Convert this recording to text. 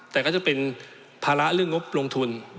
แต่ก็จะเป็นภาระเรื่องงบลงทุน